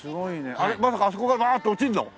あれまさかあそこからバーッと落ちるの？